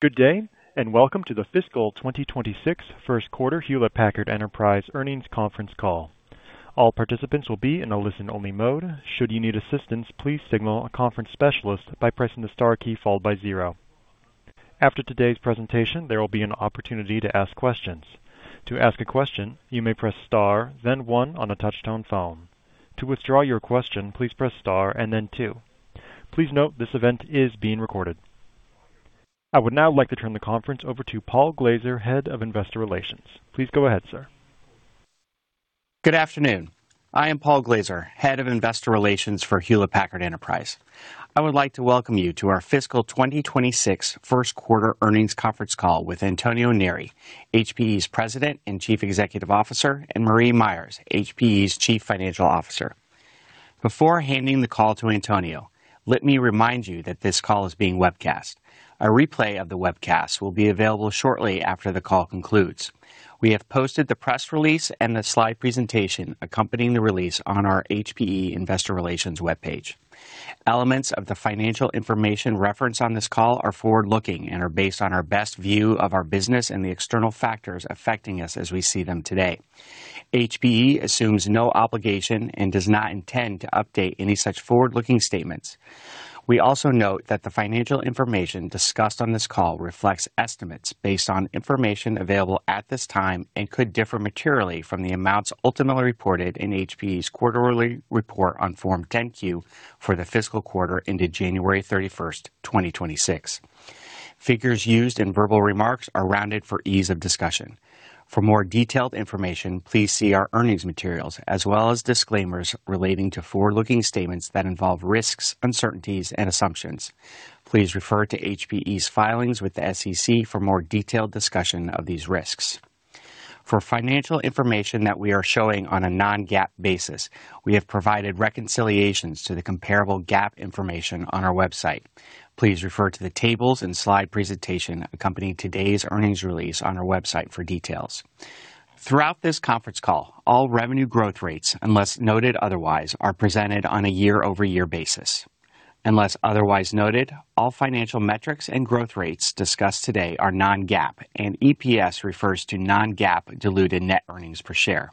Good day, and welcome to the fiscal 2026 Q1 Hewlett Packard Enterprise earnings conference call. All participants will be in a listen-only mode. Should you need assistance, please signal a conference specialist by pressing the star key followed by zero. After today's presentation, there will be an opportunity to ask questions. To ask a question, you may press star then one on a touchtone phone. To withdraw your question, please press star and then two. Please note this event is being recorded. I would now like to turn the conference over to Paul Glaser, Head of Investor Relations. Please go ahead, sir. Good afternoon. I am Paul Glaser, Head of Investor Relations for Hewlett Packard Enterprise. I would like to welcome you to our fiscal 2026 Q1 earnings conference call with Antonio Neri, HPE's President and Chief Executive Officer, and Marie Myers, HPE's Chief Financial Officer. Before handing the call to Antonio, let me remind you that this call is being webcast. A replay of the webcast will be available shortly after the call concludes. We have posted the press release and the slide presentation accompanying the release on our HPE Investor Relations webpage. Elements of the financial information referenced on this call are forward-looking and are based on our best view of our business and the external factors affecting us as we see them today. HPE assumes no obligation and does not intend to update any such forward-looking statements. We also note that the financial information discussed on this call reflects estimates based on information available at this time and could differ materially from the amounts ultimately reported in HPE's quarterly report on Form 10-Q for the fiscal quarter ended January 31st, 2026. Figures used in verbal remarks are rounded for ease of discussion. More detailed information, please see our earnings materials as well as disclaimers relating to forward-looking statements that involve risks, uncertainties, and assumptions. Please refer to HPE's filings with the SEC for more detailed discussion of these risks. Financial information that we are showing on a non-GAAP basis, we have provided reconciliations to the comparable GAAP information on our website. Please refer to the tables and slide presentation accompanying today's earnings release on our website for details. Throughout this conference call, all revenue growth rates, unless noted otherwise, are presented on a year-over-year basis. Unless otherwise noted, all financial metrics and growth rates discussed today are non-GAAP, and EPS refers to non-GAAP diluted net earnings per share.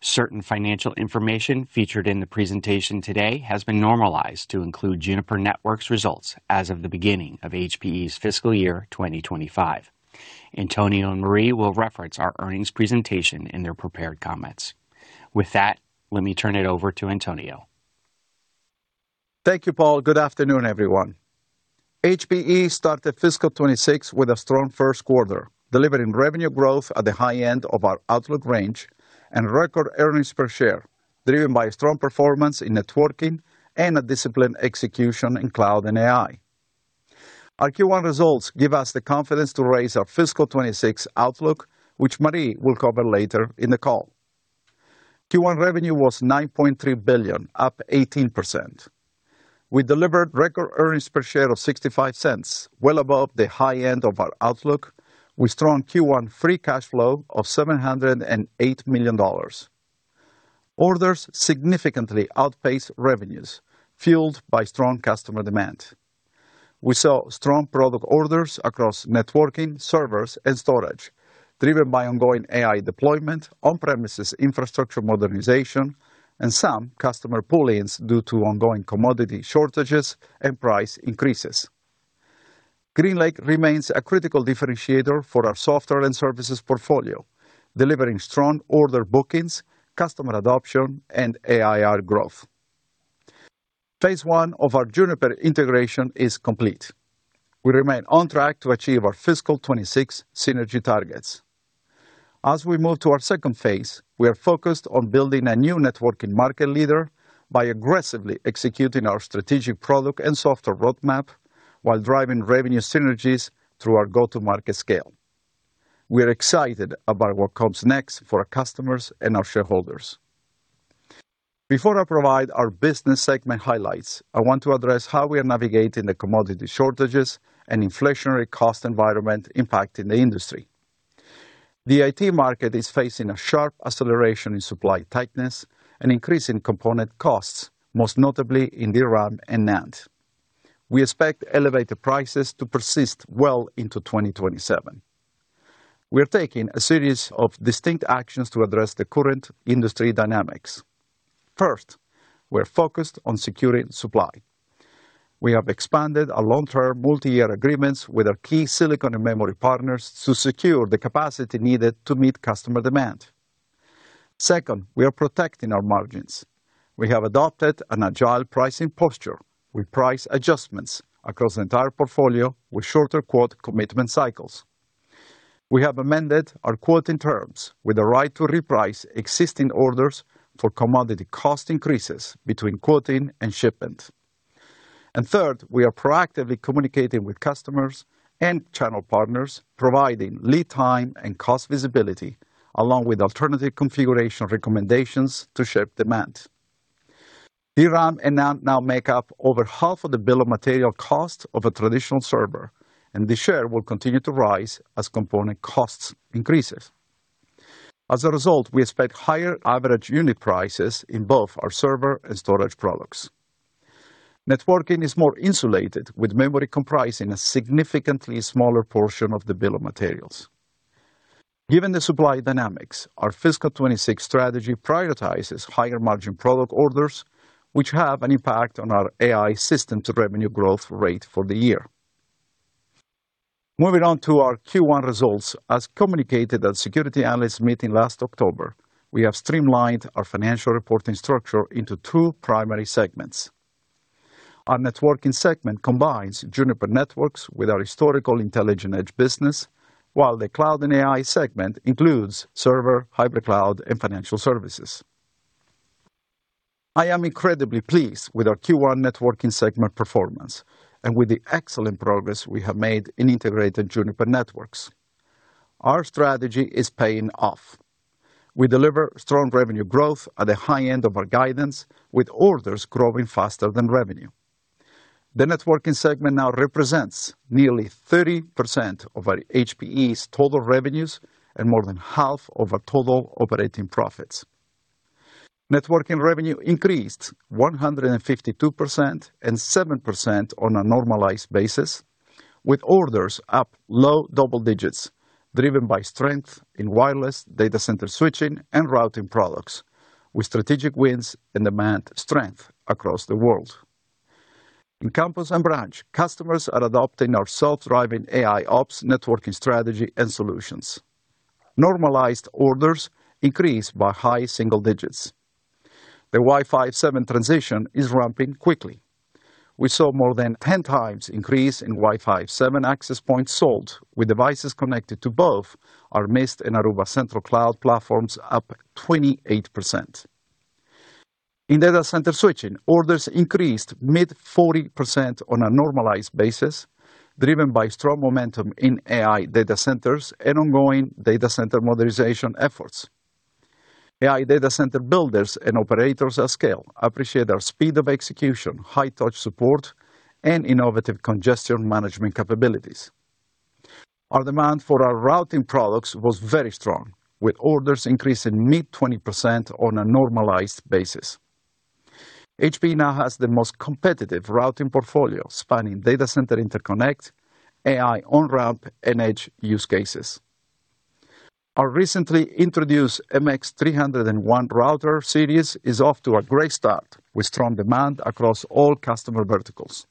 Certain financial information featured in the presentation today has been normalized to include Juniper Networks results as of the beginning of HPE's fiscal year 2025. Antonio and Marie will reference our earnings presentation in their prepared comments. With that, let me turn it over to Antonio. Thank you, Paul. Good afternoon, everyone. HPE started fiscal 2026 with a strong Q1, delivering revenue growth at the high end of our outlook range and record earnings per share, driven by a strong performance in networking and a disciplined execution in cloud and AI. Our Q1 results give us the confidence to raise our fiscal 2026 outlook, which Marie will cover later in the call. Q1 revenue was $9.3 billion, up 18%. We delivered record earnings per share of $0.65, well above the high end of our outlook, with strong Q1 free cash flow of $708 million. Orders significantly outpaced revenues fueled by strong customer demand. We saw strong product orders across networking, servers, and storage, driven by ongoing AI deployment, on-premises infrastructure modernization, and some customer pull-ins due to ongoing commodity shortages and price increases. GreenLake remains a critical differentiator for our software and services portfolio, delivering strong order bookings, customer adoption, and ARR growth. Phase one of our Juniper integration is complete. We remain on track to achieve our fiscal 2026 synergy targets. As we move to our second phase, we are focused on building a new networking market leader by aggressively executing our strategic product and software roadmap while driving revenue synergies through our go-to-market scale. We are excited about what comes next for our customers and our shareholders. Before I provide our business segment highlights, I want to address how we are navigating the commodity shortages and inflationary cost environment impacting the industry. The IT market is facing a sharp acceleration in supply tightness and increase in component costs, most notably in DRAM and NAND. We expect elevated prices to persist well into 2027. We are taking a series of distinct actions to address the current industry dynamics. First, we're focused on securing supply. We have expanded our long-term multi-year agreements with our key silicon and memory partners to secure the capacity needed to meet customer demand. Second, we are protecting our margins. We have adopted an agile pricing posture with price adjustments across the entire portfolio with shorter quote commitment cycles. We have amended our quoting terms with the right to reprice existing orders for commodity cost increases between quoting and shipment. Third, we are proactively communicating with customers and channel partners, providing lead time and cost visibility along with alternative configuration recommendations to shape demand. DRAM and NAND now make up over half of the bill of materials cost of a traditional server, and the share will continue to rise as component costs increases. As a result, we expect higher average unit prices in both our server and storage products. Networking is more insulated with memory comprising a significantly smaller portion of the bill of materials. Given the supply dynamics, our fiscal 2026 strategy prioritizes higher margin product orders, which have an impact on our AI system to revenue growth rate for the year. Moving on to our Q1 results. As communicated at security analyst meeting last October, we have streamlined our financial reporting structure into two primary segments. Our networking segment combines Juniper Networks with our historical intelligent edge business, while the cloud and AI segment includes server, hybrid cloud, and financial services. I am incredibly pleased with our Q1 networking segment performance and with the excellent progress we have made in integrated Juniper Networks. Our strategy is paying off. We deliver strong revenue growth at the high end of our guidance, with orders growing faster than revenue. The networking segment now represents nearly 30% of our HPE's total revenues and more than half of our total operating profits. Networking revenue increased 152% and 7% on a normalized basis, with orders up low double digits, driven by strength in wireless data center switching and routing products with strategic wins and demand strength across the world. In campus and branch, customers are adopting our self-driving AIOps networking strategy and solutions. Normalized orders increased by high single digits. The Wi-Fi 7 transition is ramping quickly. We saw more than 10 times increase in Wi-Fi 7 access points sold with devices connected to both our Mist and Aruba Central Cloud platforms up 28%. In data center switching, orders increased mid-40% on a normalized basis, driven by strong momentum in AI data centers and ongoing data center modernization efforts. AI data center builders and operators at scale appreciate our speed of execution, high touch support, and innovative congestion management capabilities. Our demand for our routing products was very strong, with orders increasing mid-20% on a normalized basis. HPE now has the most competitive routing portfolio spanning data center interconnect, AI on-ramp, and edge use cases. Our recently introduced MX301 router series is off to a great start with strong demand across all customer verticals.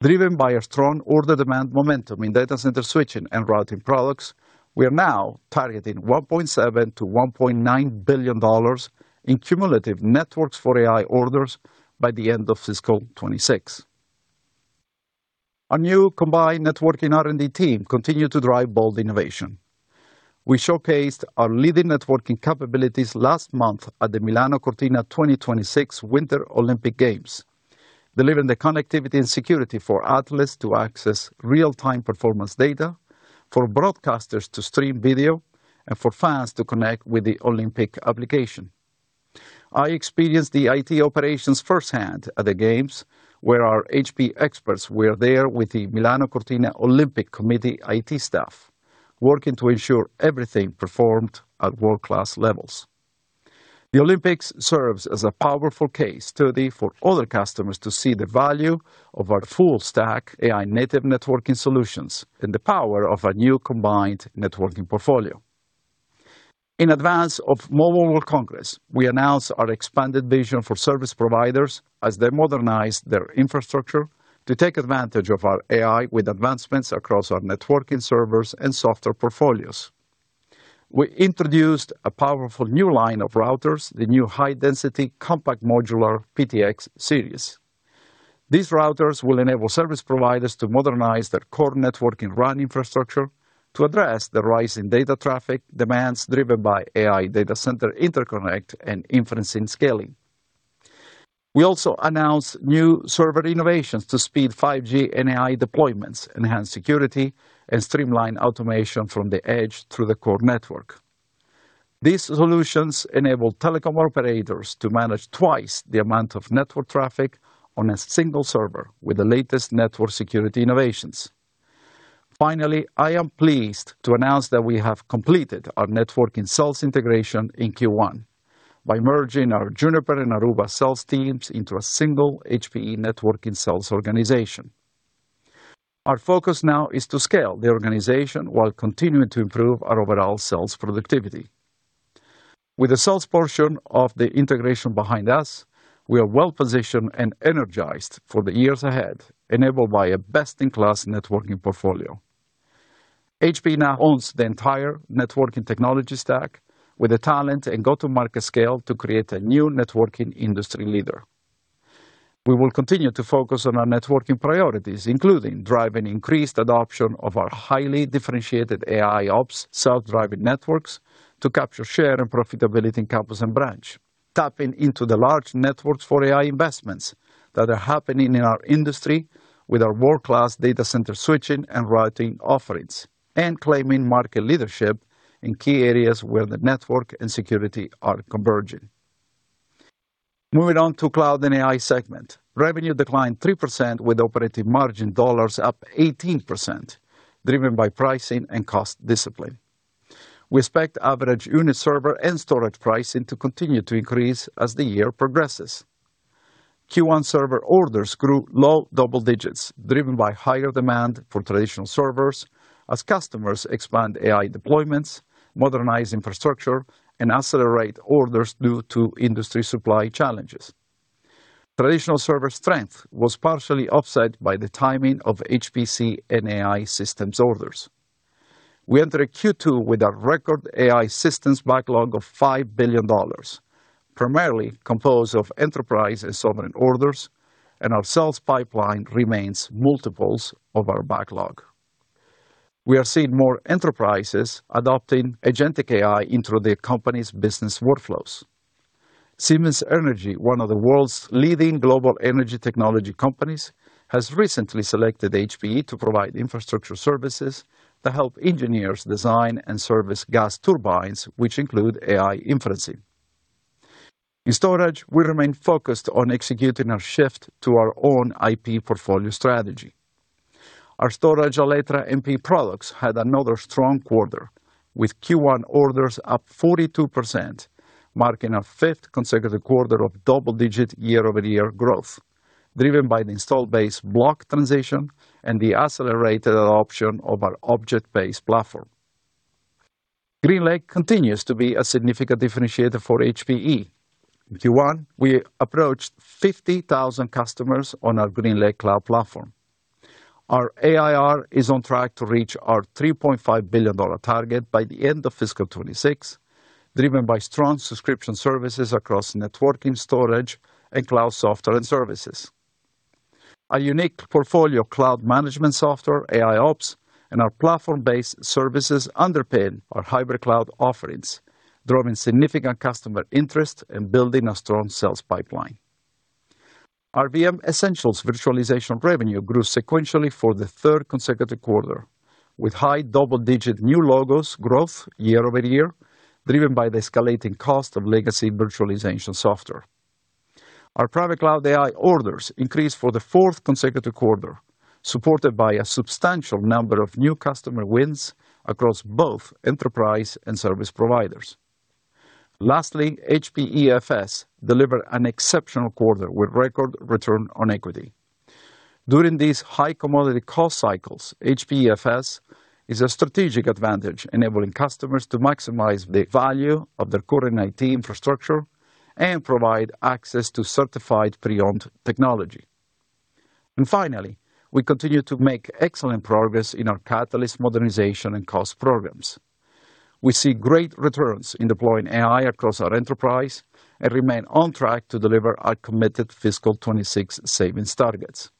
Driven by a strong order demand momentum in data center switching and routing products, we are now targeting $1.7 billion-$1.9 billion in cumulative networks for AI orders by the end of fiscal 2026. Our new combined networking R&D team continue to drive bold innovation. We showcased our leading networking capabilities last month at the Milano Cortina 2026 Winter Olympic Games, delivering the connectivity and security for athletes to access real-time performance data, for broadcasters to stream video, and for fans to connect with the Olympic application. I experienced the IT operations firsthand at the games where our HPE experts were there with the Milano Cortina Olympic Committee IT staff, working to ensure everything performed at world-class levels. The Olympics serves as a powerful case study for other customers to see the value of our full stack AI-native networking solutions and the power of our new combined networking portfolio. In advance of Mobile World Congress, we announced our expanded vision for service providers as they modernize their infrastructure to take advantage of our AI with advancements across our networking servers and software portfolios. We introduced a powerful new line of routers, the new high-density compact modular PTX Series. These routers will enable service providers to modernize their core networking RAN infrastructure to address the rise in data traffic demands driven by AI data center interconnect and inferencing scaling. We also announced new server innovations to speed 5G and AI deployments, enhance security, and streamline automation from the edge through the core network. These solutions enable telecom operators to manage twice the amount of network traffic on a single server with the latest network security innovations. I am pleased to announce that we have completed our networking sales integration in Q1 by merging our Juniper and Aruba sales teams into a single HPE networking sales organization. Our focus now is to scale the organization while continuing to improve our overall sales productivity. With the sales portion of the integration behind us, we are well-positioned and energized for the years ahead, enabled by a best-in-class networking portfolio. HPE now owns the entire networking technology stack with the talent and go-to-market scale to create a new networking industry leader. We will continue to focus on our networking priorities, including driving increased adoption of our highly differentiated AIOps self-driving networks to capture, share, and profitability in campus and branch, tapping into the large networks for AI investments that are happening in our industry with our world-class data center switching and routing offerings, and claiming market leadership in key areas where the network and security are converging. Moving on to cloud and AI segment. Revenue declined 3% with operating margin dollars up 18%, driven by pricing and cost discipline. We expect average unit server and storage pricing to continue to increase as the year progresses. Q1 server orders grew low double digits, driven by higher demand for traditional servers as customers expand AI deployments, modernize infrastructure, and accelerate orders due to industry supply challenges. Traditional server strength was partially offset by the timing of HPC and AI systems orders. We entered Q2 with a record AI systems backlog of $5 billion, primarily composed of enterprise and sovereign orders, our sales pipeline remains multiples of our backlog. We are seeing more enterprises adopting agentic AI into their company's business workflows. Siemens Energy, one of the world's leading global energy technology companies, has recently selected HPE to provide infrastructure services to help engineers design and service gas turbines, which include AI inferencing. In storage, we remain focused on executing our shift to our own IP portfolio strategy. Our Storage Alletra MP products had another strong quarter, with Q1 orders up 42%, marking our fifth consecutive quarter of double-digit year-over-year growth, driven by the installed base block transition and the accelerated option of our object-based platform. GreenLake continues to be a significant differentiator for HPE. In Q1, we approached 50,000 customers on our GreenLake cloud platform. Our ARR is on track to reach our $3.5 billion target by the end of FY26, driven by strong subscription services across networking, storage, and cloud software and services. Our unique portfolio cloud management software, AIOps, and our platform-based services underpin our hybrid cloud offerings, driving significant customer interest in building a strong sales pipeline. Our VM Essentials virtualization revenue grew sequentially for the third consecutive quarter, with high double-digit new logos growth year-over-year, driven by the escalating cost of legacy virtualization software. Our private cloud AI orders increased for the fourth consecutive quarter, supported by a substantial number of new customer wins across both enterprise and service providers. Lastly, HPEFS delivered an exceptional quarter with record return on equity. During these high commodity cost cycles, HPEFS is a strategic advantage, enabling customers to maximize the value of their current IT infrastructure and provide access to certified pre-owned technology. Finally, we continue to make excellent progress in our Catalyst modernization and cost programs. We see great returns in deploying AI across our enterprise and remain on track to deliver our committed fiscal 2026 savings targets.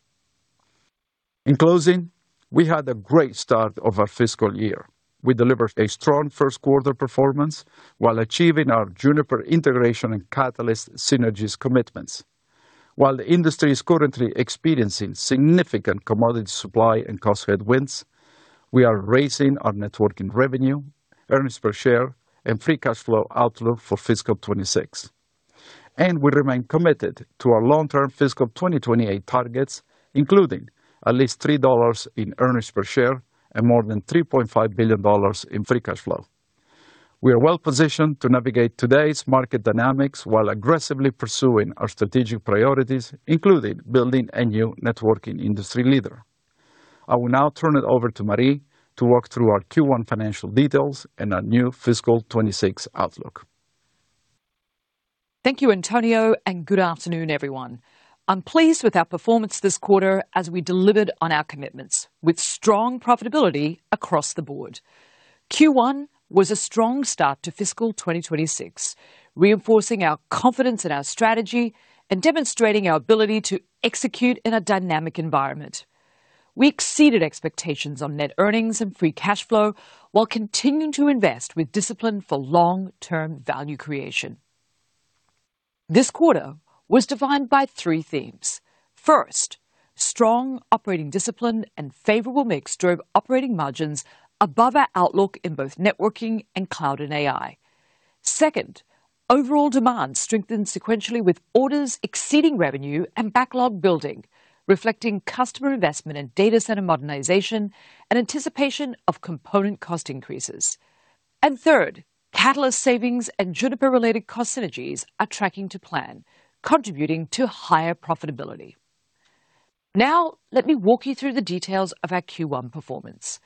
In closing, we had a great start of our fiscal year. We delivered a strong Q1 performance while achieving our Juniper integration and Catalyst synergies commitments. While the industry is currently experiencing significant commodity supply and cost headwinds, we are raising our networking revenue, earnings per share, and free cash flow outlook for fiscal 2026, and we remain committed to our long-term fiscal 2028 targets, including at least $3 in earnings per share and more than $3.5 billion in free cash flow. We are well positioned to navigate today's market dynamics while aggressively pursuing our strategic priorities, including building a new networking industry leader. I will now turn it over to Marie to walk through our Q1 financial details and our new fiscal 2026 outlook. Thank you, Antonio, and good afternoon, everyone. I'm pleased with our performance this quarter as we delivered on our commitments with strong profitability across the board. Q1 was a strong start to fiscal 2026, reinforcing our confidence in our strategy and demonstrating our ability to execute in a dynamic environment. We exceeded expectations on net earnings and free cash flow while continuing to invest with discipline for long-term value creation. This quarter was defined by three themes. First, strong operating discipline and favorable mix drove operating margins above our outlook in both networking and cloud and AI. Second, overall demand strengthened sequentially with orders exceeding revenue and backlog building, reflecting customer investment in data center modernization and anticipation of component cost increases. Third, Catalyst savings and Juniper-related cost synergies are tracking to plan, contributing to higher profitability. Now, let me walk you through the details of our Q1 performance.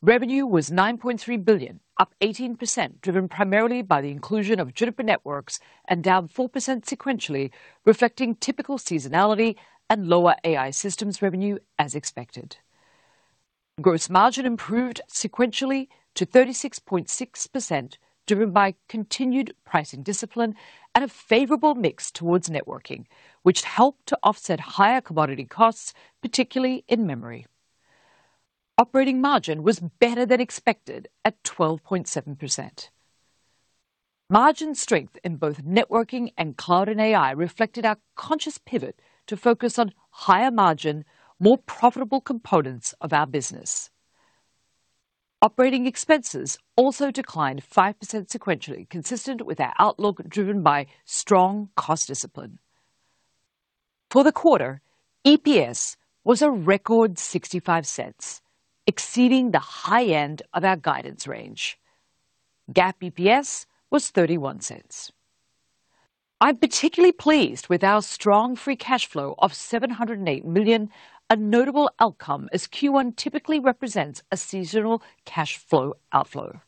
Revenue was $9.3 billion, up 18%, driven primarily by the inclusion of Juniper Networks and down 4% sequentially, reflecting typical seasonality and lower AI systems revenue as expected. Gross margin improved sequentially to 36.6%, driven by continued pricing discipline and a favorable mix towards networking, which helped to offset higher commodity costs, particularly in memory. Operating margin was better than expected at 12.7%. Margin strength in both networking and cloud and AI reflected our conscious pivot to focus on higher margin, more profitable components of our business. Operating expenses also declined 5% sequentially, consistent with our outlook driven by strong cost discipline. For the quarter, EPS was a record $0.65, exceeding the high end of our guidance range. GAAP EPS was $0.31. I'm particularly pleased with our strong free cash flow of $708 million, a notable outcome as Q1 typically represents a seasonal cash flow outflow.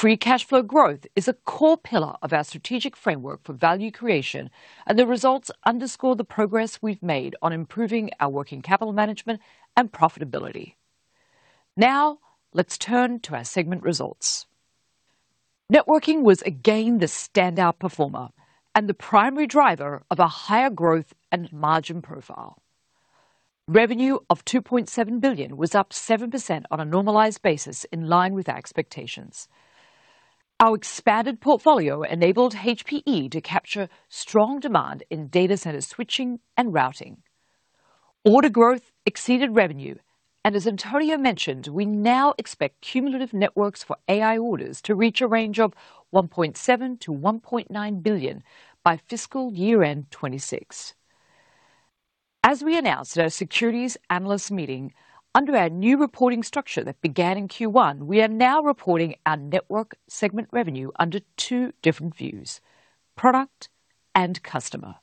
Free cash flow growth is a core pillar of our strategic framework for value creation, the results underscore the progress we've made on improving our working capital management and profitability. Let's turn to our segment results. Networking was again the standout performer and the primary driver of a higher growth and margin profile. Revenue of $2.7 billion was up 7% on a normalized basis in line with our expectations. Our expanded portfolio enabled HPE to capture strong demand in data center switching and routing. Order growth exceeded revenue. As Antonio mentioned, we now expect cumulative networks for AI orders to reach a range of $1.7 billion-$1.9 billion by fiscal year end 2026. As we announced at our securities analyst meeting, under our new reporting structure that began in Q1, we are now reporting our network segment revenue under two different views: product and customer.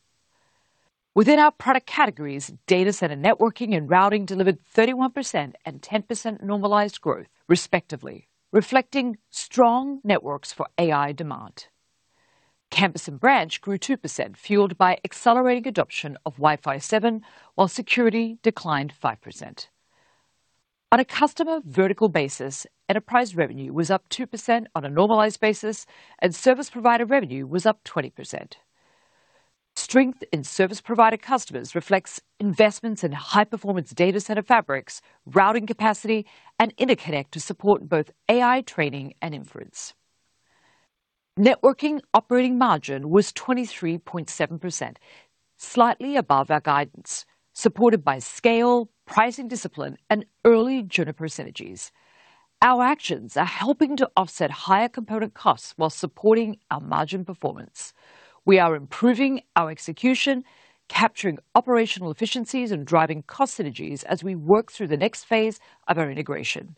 Within our product categories, data center networking and routing delivered 31% and 10% normalized growth, respectively, reflecting strong networks for AI demand. Campus and branch grew 2%, fueled by accelerating adoption of Wi-Fi 7, while security declined 5%. On a customer vertical basis, enterprise revenue was up 2% on a normalized basis, and service provider revenue was up 20%. Strength in service provider customers reflects investments in high-performance data center fabrics, routing capacity, and interconnect to support both AI training and inference. Networking operating margin was 23.7%, slightly above our guidance, supported by scale, pricing discipline, and early Juniper synergies. Our actions are helping to offset higher component costs while supporting our margin performance. We are improving our execution, capturing operational efficiencies, and driving cost synergies as we work through the next phase of our integration.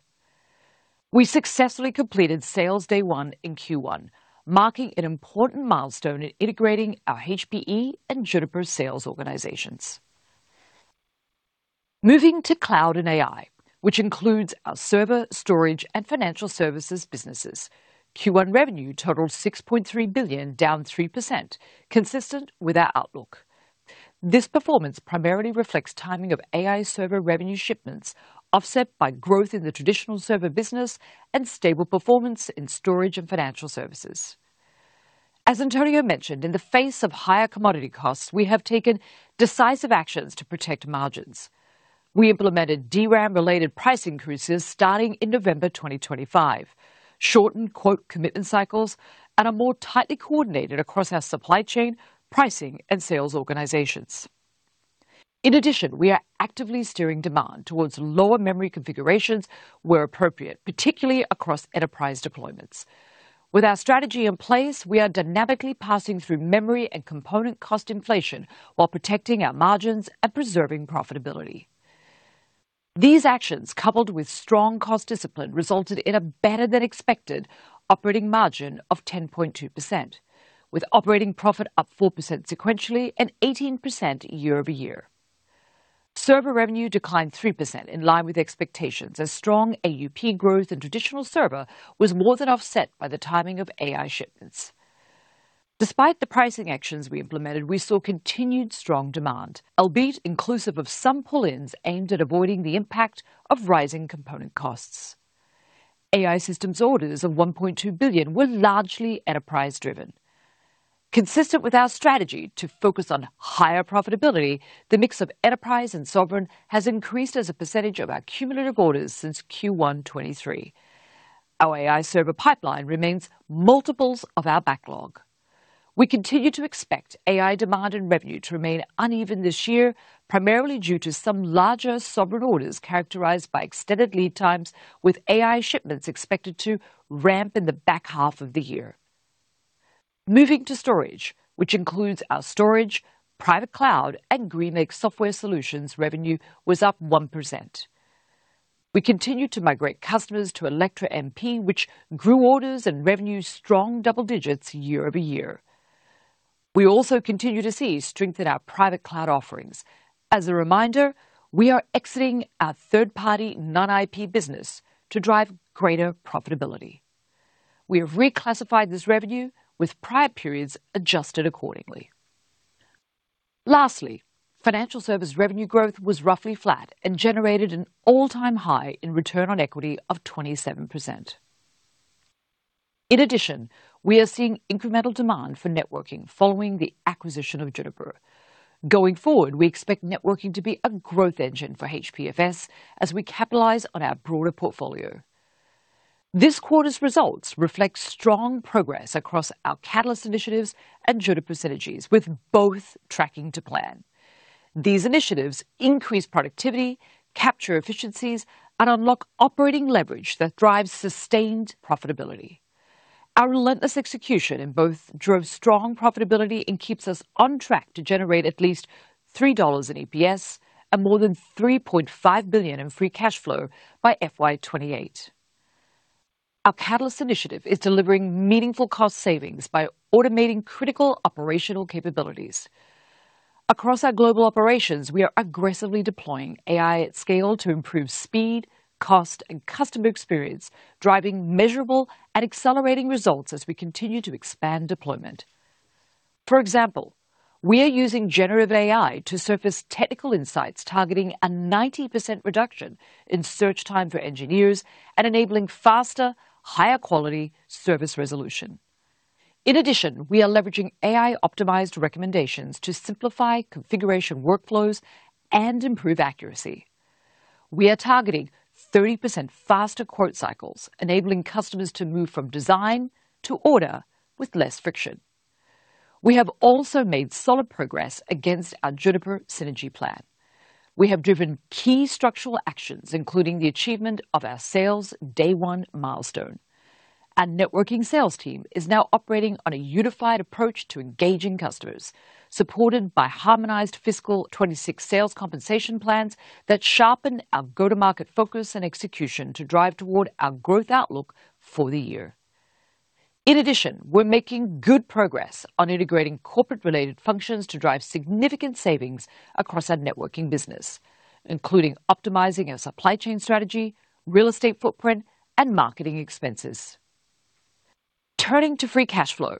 We successfully completed sales day one in Q1, marking an important milestone in integrating our HPE and Juniper sales organizations. Moving to cloud and AI, which includes our server, storage, and financial services businesses. Q1 revenue totaled $6.3 billion, down 3%, consistent with our outlook. This performance primarily reflects timing of AI server revenue shipments, offset by growth in the traditional server business and stable performance in storage and financial services. As Antonio mentioned, in the face of higher commodity costs, we have taken decisive actions to protect margins. We implemented DRAM-related price increases starting in November 2025, shortened quote commitment cycles, and are more tightly coordinated across our supply chain, pricing, and sales organizations. In addition, we are actively steering demand towards lower memory configurations where appropriate, particularly across enterprise deployments. With our strategy in place, we are dynamically passing through memory and component cost inflation while protecting our margins and preserving profitability. These actions, coupled with strong cost discipline, resulted in a better than expected operating margin of 10.2%, with operating profit up 4% sequentially and 18% year-over-year. Server revenue declined 3% in line with expectations as strong AUP growth in traditional server was more than offset by the timing of AI shipments. Despite the pricing actions we implemented, we saw continued strong demand, albeit inclusive of some pull-ins aimed at avoiding the impact of rising component costs. AI systems orders of $1.2 billion were largely enterprise-driven. Consistent with our strategy to focus on higher profitability, the mix of enterprise and sovereign has increased as a percentage of our cumulative orders since Q1 '23. Our AI server pipeline remains multiples of our backlog. We continue to expect AI demand and revenue to remain uneven this year, primarily due to some larger sovereign orders characterized by extended lead times, with AI shipments expected to ramp in the back half of the year. Moving to storage, which includes our storage, private cloud, and GreenLake Software Solutions revenue was up 1%. We continue to migrate customers to Alletra MP, which grew orders and revenue strong double digits year-over-year. We also continue to see strength in our private cloud offerings. As a reminder, we are exiting our third-party non-IP business to drive greater profitability. We have reclassified this revenue with prior periods adjusted accordingly. Lastly, financial service revenue growth was roughly flat and generated an all-time high in return on equity of 27%. In addition, we are seeing incremental demand for networking following the acquisition of Juniper. Going forward, we expect networking to be a growth engine for HPEFS as we capitalize on our broader portfolio. This quarter's results reflect strong progress across our Catalyst initiatives and Juniper synergies, with both tracking to plan. These initiatives increase productivity, capture efficiencies, and unlock operating leverage that drives sustained profitability. Our relentless execution in both drove strong profitability and keeps us on track to generate at least $3 in EPS and more than $3.5 billion in free cash flow by FY28. Our Catalyst initiative is delivering meaningful cost savings by automating critical operational capabilities. Across our global operations, we are aggressively deploying AI at scale to improve speed, cost, and customer experience, driving measurable and accelerating results as we continue to expand deployment. For example, we are using generative AI to surface technical insights, targeting a 90% reduction in search time for engineers and enabling faster, higher-quality service resolution. In addition, we are leveraging AI-optimized recommendations to simplify configuration workflows and improve accuracy. We are targeting 30% faster quote cycles, enabling customers to move from design to order with less friction. We have also made solid progress against our Juniper synergy plan. We have driven key structural actions, including the achievement of our sales day one milestone. Our networking sales team is now operating on a unified approach to engaging customers, supported by harmonized fiscal 2026 sales compensation plans that sharpen our go-to-market focus and execution to drive toward our growth outlook for the year. We're making good progress on integrating corporate-related functions to drive significant savings across our networking business, including optimizing our supply chain strategy, real estate footprint, and marketing expenses. Turning to free cash flow,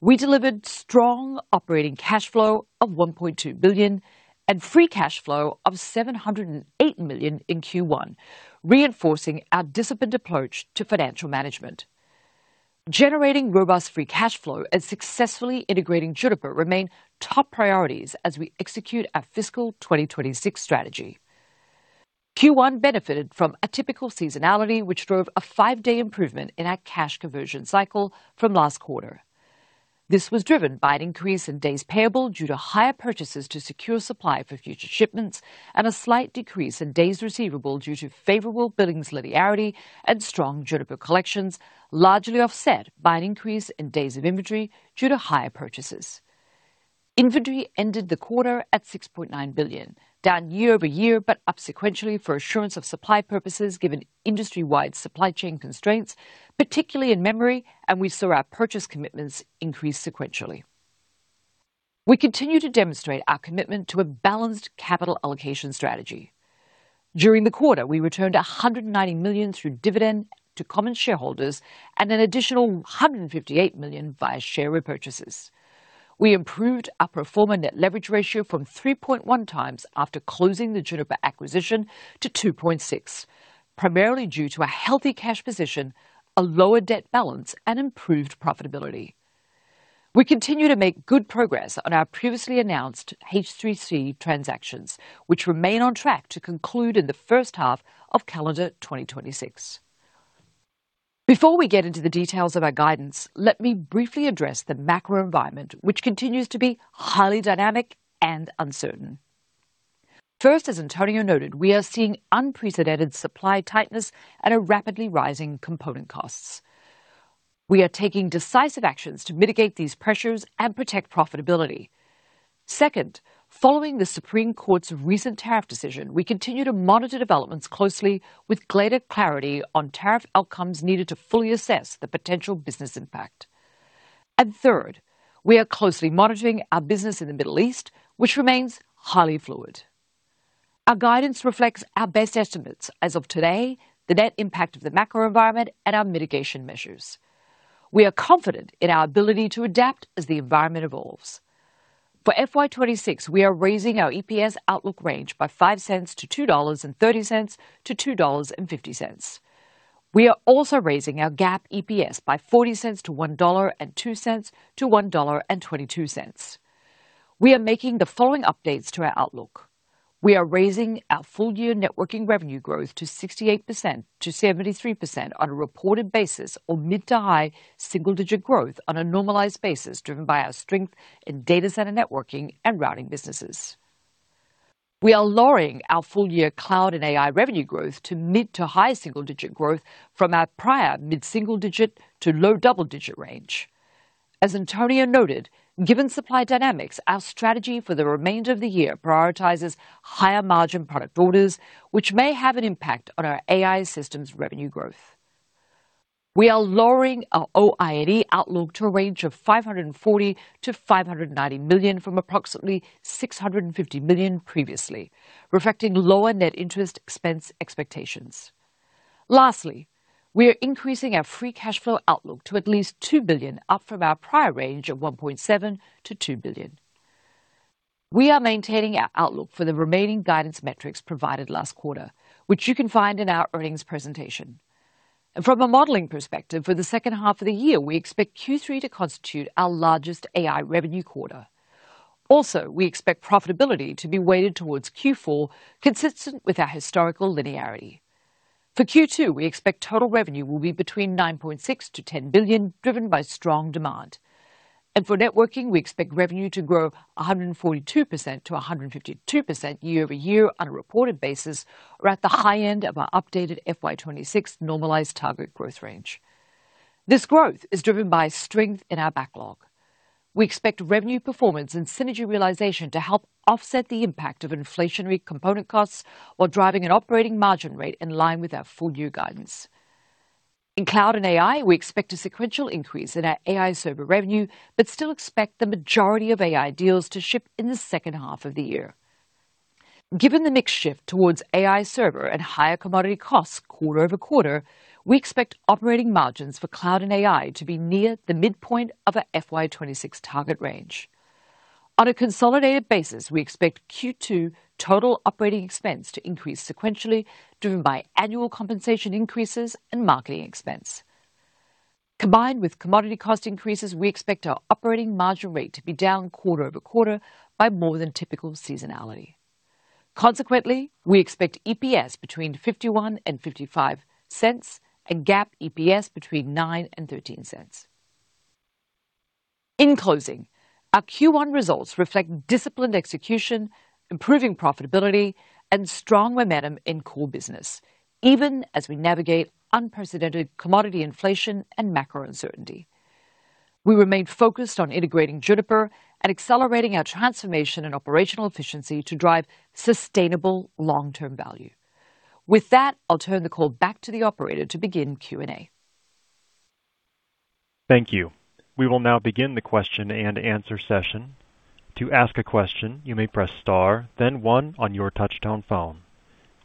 we delivered strong operating cash flow of $1.2 billion and free cash flow of $708 million in Q1, reinforcing our disciplined approach to financial management. Generating robust free cash flow and successfully integrating Juniper remain top priorities as we execute our fiscal 2026 strategy. Q1 benefited from a typical seasonality, which drove a five-day improvement in our cash conversion cycle from last quarter. This was driven by an increase in days payable due to higher purchases to secure supply for future shipments and a slight decrease in days receivable due to favorable billings linearity and strong Juniper collections, largely offset by an increase in days of inventory due to higher purchases. Inventory ended the quarter at $6.9 billion, down year-over-year, but up sequentially for assurance of supply purposes given industry-wide supply chain constraints, particularly in memory. We saw our purchase commitments increase sequentially. We continue to demonstrate our commitment to a balanced capital allocation strategy. During the quarter, we returned $190 million through dividend to common shareholders and an additional $158 million via share repurchases. We improved our pro forma net leverage ratio from 3.1 times after closing the Juniper acquisition to 2.6, primarily due to a healthy cash position, a lower debt balance, and improved profitability. We continue to make good progress on our previously announced H3C transactions, which remain on track to conclude in the first half of calendar 2026. Before we get into the details of our guidance, let me briefly address the macro environment, which continues to be highly dynamic and uncertain. First, as Antonio noted, we are seeing unprecedented supply tightness at a rapidly rising component costs. We are taking decisive actions to mitigate these pressures and protect profitability. Second, following the Supreme Court's recent tariff decision, we continue to monitor developments closely with greater clarity on tariff outcomes needed to fully assess the potential business impact. Third, we are closely monitoring our business in the Middle East, which remains highly fluid. Our guidance reflects our best estimates as of today, the net impact of the macro environment, and our mitigation measures. We are confident in our ability to adapt as the environment evolves. For FY26, we are raising our EPS outlook range by $0.05 to $2.30-$2.50. We are also raising our GAAP EPS by $0.40 to $1.02-$1.22. We are making the following updates to our outlook. We are raising our full-year networking revenue growth to 68%-73% on a reported basis or mid to high single-digit growth on a normalized basis, driven by our strength in data center networking and routing businesses. We are lowering our full-year cloud and AI revenue growth to mid-to-high single-digit growth from our prior mid-single-digit to low double-digit range. As Antonio noted, given supply dynamics, our strategy for the remainder of the year prioritizes higher margin product orders, which may have an impact on our AI systems revenue growth. We are lowering our OIE outlook to a range of $540 million-$590 million from approximately $650 million previously, reflecting lower net interest expense expectations. Lastly, we are increasing our free cash flow outlook to at least $2 billion, up from our prior range of $1.7 billion-$2 billion. We are maintaining our outlook for the remaining guidance metrics provided last quarter, which you can find in our earnings presentation. From a modeling perspective, for the second half of the year, we expect Q3 to constitute our largest AI revenue quarter. We expect profitability to be weighted towards Q4, consistent with our historical linearity. For Q2, we expect total revenue will be between $9.6 billion-$10 billion, driven by strong demand. For networking, we expect revenue to grow 142%-152% year-over-year on a reported basis, or at the high end of our updated FY26 normalized target growth range. This growth is driven by strength in our backlog. We expect revenue performance and synergy realization to help offset the impact of inflationary component costs while driving an operating margin rate in line with our full year guidance. In cloud and AI, we expect a sequential increase in our AI server revenue, but still expect the majority of AI deals to ship in the second half of the year. Given the mix shift towards AI server at higher commodity costs quarter-over-quarter, we expect operating margins for cloud and AI to be near the midpoint of our FY26 target range. On a consolidated basis, we expect Q2 total operating expense to increase sequentially, driven by annual compensation increases and marketing expense. Combined with commodity cost increases, we expect our operating margin rate to be down quarter-over-quarter by more than typical seasonality. Consequently, we expect EPS between $0.51 and $0.55 and GAAP EPS between $0.09 and $0.13. In closing, our Q1 results reflect disciplined execution, improving profitability and strong momentum in core business, even as we navigate unprecedented commodity inflation and macro uncertainty. We remain focused on integrating Juniper and accelerating our transformation and operational efficiency to drive sustainable long-term value. With that, I'll turn the call back to the operator to begin Q&A. Thank you. We will now begin the question-and-answer session. To ask a question, you may press star then 1 on your touch-tone phone.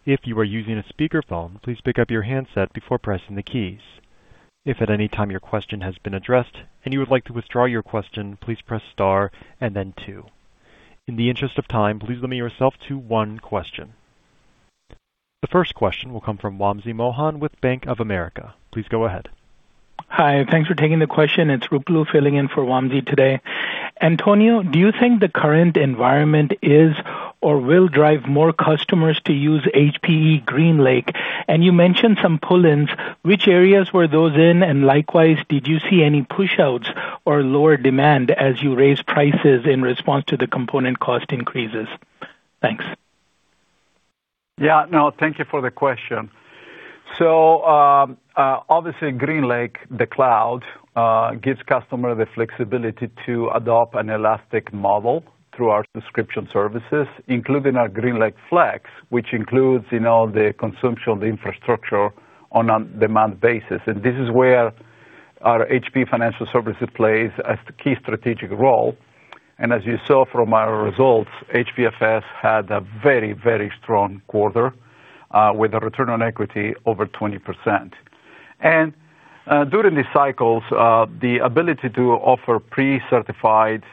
If you are using a speakerphone, please pick up your handset before pressing the keys. If at any time your question has been addressed and you would like to withdraw your question, please press star and then two. In the interest of time, please limit yourself to one question. The first question will come from Wamsi Mohan with Bank of America. Please go ahead. Hi, thanks for taking the question. It's Rupu filling in for Wamsi today. Antonio, do you think the current environment is or will drive more customers to use HPE GreenLake? You mentioned some pull-ins. Which areas were those in? Likewise, did you see any pushouts or lower demand as you raised prices in response to the component cost increases? Thanks. Yeah. No, thank you for the question. Obviously GreenLake, the cloud, gives customers the flexibility to adopt an elastic model through our subscription services, including our GreenLake Flex, which includes, you know, the consumption of the infrastructure on a demand basis. This is where our HPE financial services plays a key strategic role. As you saw from our results, HPEFS had a very, very strong quarter, with a return on equity over 20%. During these cycles, the ability to offer pre-certified,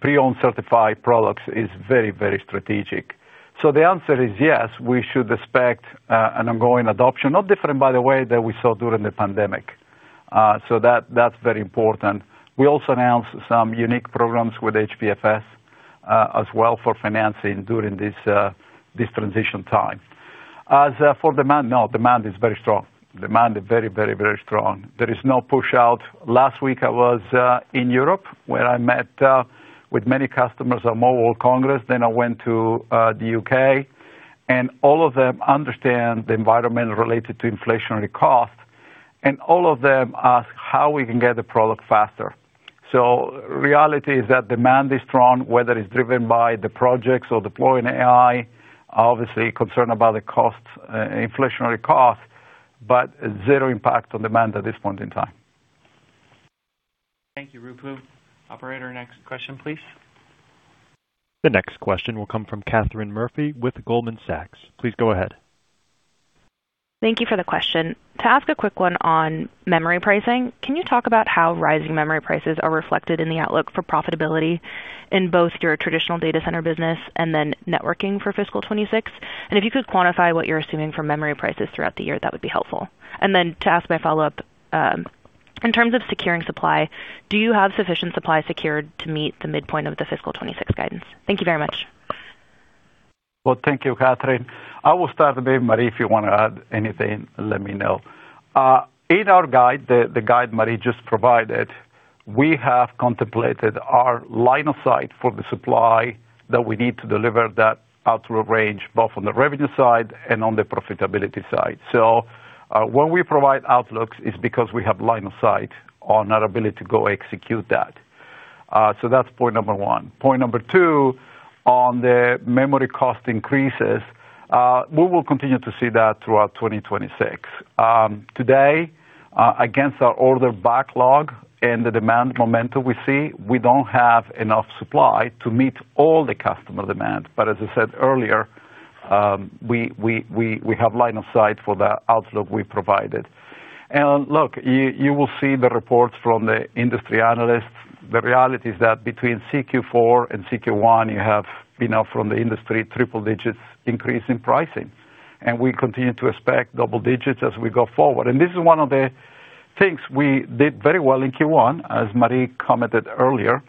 pre-owned certified products is very, very strategic. The answer is yes, we should expect an ongoing adoption, not different by the way that we saw during the pandemic. That's very important. We also announced some unique programs with HPEFS as well for financing during this transition time. As for demand, now demand is very strong. Demand is very, very, very strong. There is no pushout. Last week I was in Europe, where I met with many customers at Mobile Congress. I went to the U.K., and all of them understand the environment related to inflationary costs, and all of them ask how we can get the product faster. Reality is that demand is strong, whether it's driven by the projects or deploy in AI, obviously concerned about the cost, inflationary cost, but zero impact on demand at this point in time. Thank you, Ruplu. Operator, next question, please. The next question will come from Katherine Murphy with Goldman Sachs. Please go ahead. Thank you for the question. To ask a quick one on memory pricing, can you talk about how rising memory prices are reflected in the outlook for profitability in both your traditional data center business and then networking for fiscal 2026? If you could quantify what you're assuming for memory prices throughout the year, that would be helpful. Then to ask my follow-up, in terms of securing supply, do you have sufficient supply secured to meet the midpoint of the fiscal 2026 guidance? Thank you very much. Well, thank you, Katherine. I will start, but Marie, if you want to add anything, let me know. In our guide, the guide Marie just provided, we have contemplated our line of sight for the supply that we need to deliver that outlook range, both on the revenue side and on the profitability side. When we provide outlooks, it's because we have line of sight on our ability to go execute that. That's point number one. Point number two, on the memory cost increases, we will continue to see that throughout 2026. Today, against our order backlog and the demand momentum we see, we don't have enough supply to meet all the customer demand. As I said earlier, we have line of sight for the outlook we provided. Look, you will see the reports from the industry analysts. The reality is that between CQ4 and CQ1, you have, you know, from the industry, triple digits increase in pricing, and we continue to expect double digits as we go forward. This is one of the things we did very well in Q1, as Marie commented earlier,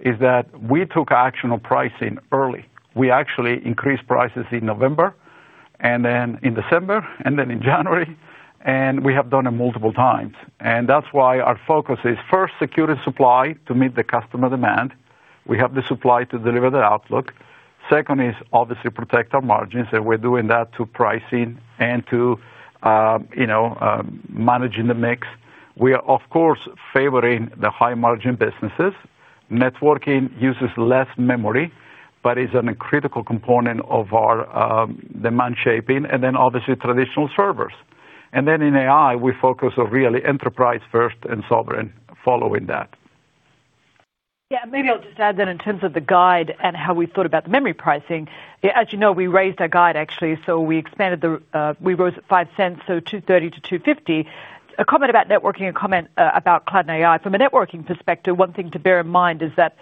is that we took action on pricing early. We actually increased prices in November, and then in December, and then in January, and we have done it multiple times. That's why our focus is first secure the supply to meet the customer demand. We have the supply to deliver the outlook. Second is obviously protect our margins, and we're doing that to pricing and to, you know, managing the mix. We are, of course, favoring the high margin businesses. Networking uses less memory, but is a critical component of our demand shaping and then obviously traditional servers. In AI, we focus on really enterprise first and sovereign following that. Maybe I'll just add that in terms of the guide and how we thought about the memory pricing, as you know, we raised our guide actually, so we expanded the, we rose $0.05, so $2.30-$2.50. A comment about networking, a comment about cloud and AI. From a networking perspective, one thing to bear in mind is that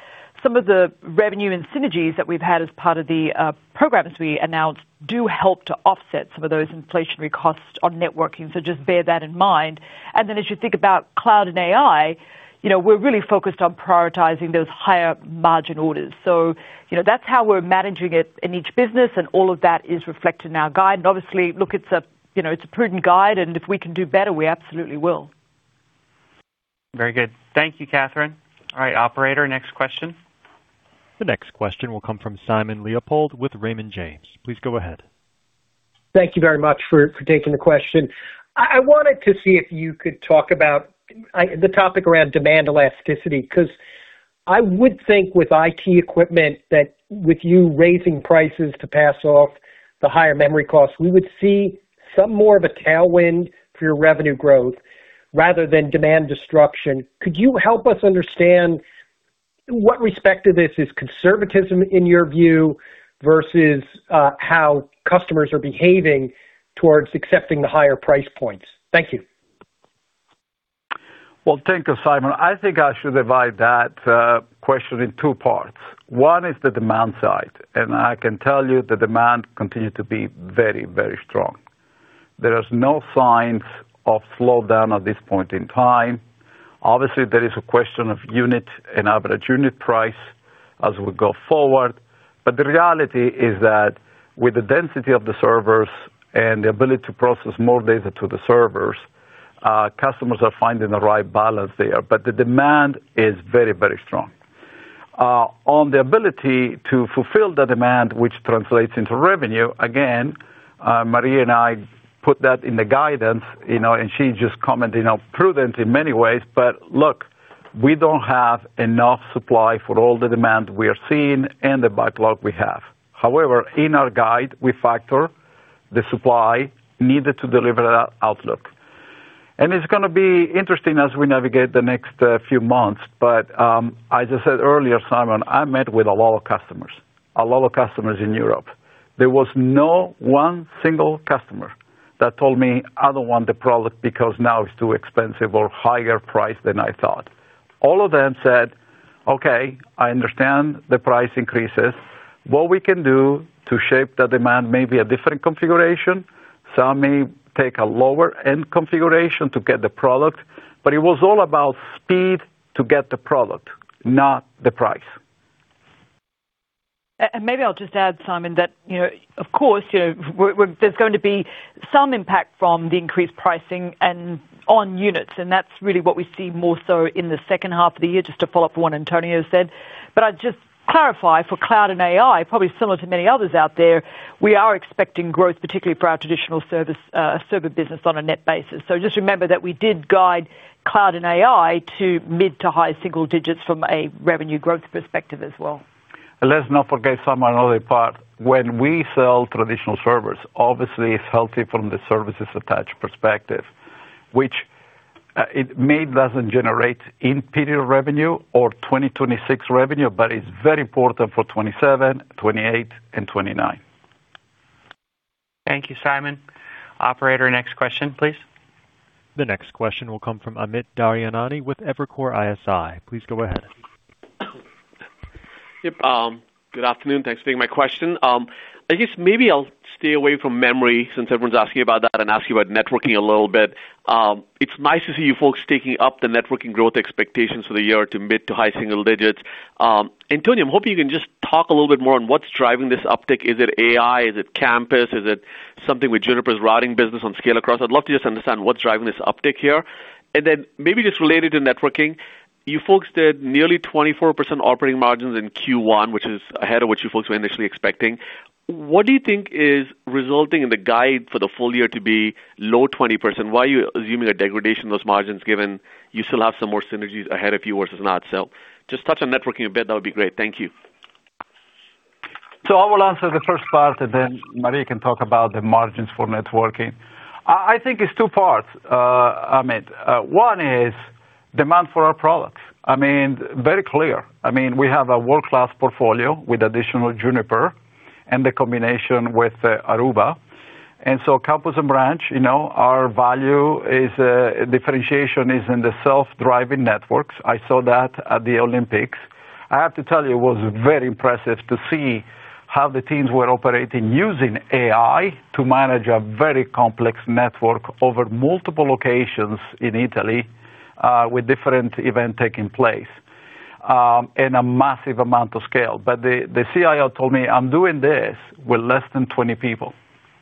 some of the revenue and synergies that we've had as part of the programs we announced do help to offset some of those inflationary costs on networking. Just bear that in mind. As you think about cloud and AI, you know, we're really focused on prioritizing those higher margin orders. You know, that's how we're managing it in each business, and all of that is reflected in our guide. Obviously, look, it's a, you know, it's a prudent guide, and if we can do better, we absolutely will. Very good. Thank you, Katherine. All right, operator, next question. The next question will come from Simon Leopold with Raymond James. Please go ahead. Thank you very much for taking the question. I wanted to see if you could talk about the topic around demand elasticity, 'cause I would think with IT equipment that with you raising prices to pass off the higher memory costs, we would see some more of a tailwind for your revenue growth rather than demand destruction. Could you help us understand what respect of this is conservatism in your view versus how customers are behaving towards accepting the higher price points? Thank you. Well, thank you, Simon. I think I should divide that question in two parts. One is the demand side, I can tell you the demand continued to be very, very strong. There is no signs of slowdown at this point in time. Obviously, there is a question of unit and average unit price as we go forward. The reality is that with the density of the servers and the ability to process more data to the servers, customers are finding the right balance there, but the demand is very, very strong. On the ability to fulfill the demand, which translates into revenue, again, Marie and I put that in the guidance, you know, and she just commented on prudent in many ways. Look, we don't have enough supply for all the demand we are seeing and the backlog we have. However, in our guide, we factor the supply needed to deliver that outlook. It's gonna be interesting as we navigate the next few months, but I just said earlier, Simon, I met with a lot of customers, a lot of customers in Europe. There was no one single customer that told me, "I don't want the product because now it's too expensive or higher price than I thought." All of them said, "Okay, I understand the price increases. What we can do to shape the demand may be a different configuration. Some may take a lower end configuration to get the product," but it was all about speed to get the product, not the price. Maybe I'll just add, Simon, that, you know, of course, you know, there's going to be some impact from the increased pricing and on units, and that's really what we see more so in the second half of the year, just to follow up on what Antonio said. I'd just clarify for cloud and AI, probably similar to many others out there, we are expecting growth, particularly for our traditional service server business on a net basis. Just remember that we did guide cloud and AI to mid to high single digits from a revenue growth perspective as well. Let's not forget, Simon, another part. When we sell traditional servers, obviously it's healthy from the services attached perspective, which it may doesn't generate in period revenue or 2026 revenue, but it's very important for 2027, 2028 and 2029. Thank you, Simon. Operator, next question, please. The next question will come from Amit Daryanani with Evercore ISI. Please go ahead. Yep, good afternoon. Thanks for taking my question. I guess maybe I'll stay away from memory since everyone's asking about that and ask you about networking a little bit. It's nice to see you folks taking up the networking growth expectations for the year to mid to high single digits. Antonio, I'm hoping you can just talk a little bit more on what's driving this uptick. Is it AI? Is it campus? Is it something with Juniper's routing business on scale across? I'd love to just understand what's driving this uptick here. Maybe just related to networking, you folks did nearly 24% operating margins in Q1, which is ahead of what you folks were initially expecting. What do you think is resulting in the guide for the full year to be low 20%? Why are you assuming a degradation of those margins given you still have some more synergies ahead of you versus not? Just touch on networking a bit. That would be great. Thank you. I will answer the first part, and then Marie can talk about the margins for networking. I think it's two parts, Amit. One is demand for our products. I mean, very clear. I mean, we have a world-class portfolio with additional Juniper and the combination with Aruba. Campus and branch, you know, our value is differentiation is in the self-driving networks. I saw that at the Olympics. I have to tell you, it was very impressive to see how the teams were operating using AI to manage a very complex network over multiple locations in Italy, with different event taking place, and a massive amount of scale. The CIO told me I'm doing this with less than 20 people,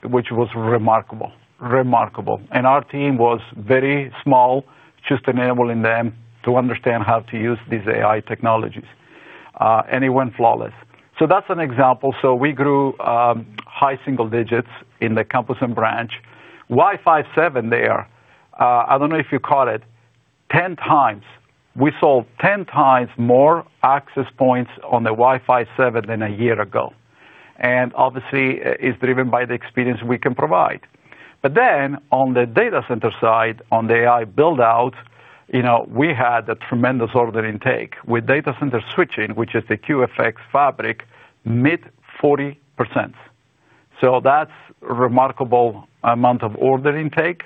which was remarkable. Our team was very small, just enabling them to understand how to use these AI technologies, and it went flawless. That's an example. We grew high single digits in the campus and branch. Wi-Fi 7 there, I don't know if you caught it, 10 times. We sold 10 times more access points on the Wi-Fi 7 than a year ago. Obviously it's driven by the experience we can provide. On the data center side, on the AI build-out, you know, we had a tremendous order intake with data center switching, which is the QFX fabric, mid 40%. That's remarkable amount of order intake.